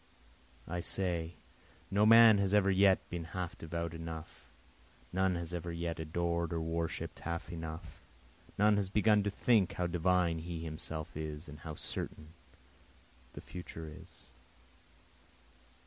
I say no man has ever yet been half devout enough, None has ever yet adored or worship'd half enough, None has begun to think how divine he himself is, and how certain the future is.